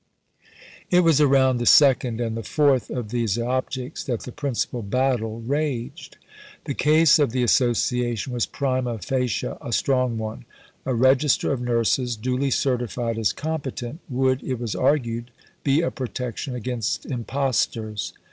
" It was around the second and the fourth of these objects that the principal battle raged. The case of the Association was prima facie a strong one. A Register of Nurses, duly certified as competent, would, it was argued, be a protection against impostors.